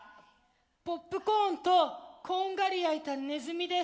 ポップコーンとこんがり焼いたネズミです。